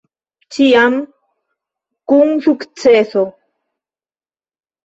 Ĉiam kun sukceso.